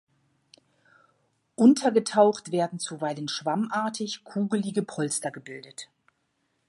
Untergetaucht werden zuweilen schwammartig-kugelige Polster gebildet.